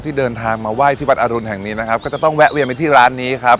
เดินทางมาไหว้ที่วัดอรุณแห่งนี้นะครับก็จะต้องแวะเวียนไปที่ร้านนี้ครับ